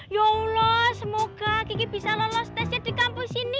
ya allah semoga kiki bisa lolos tesnya di kampus ini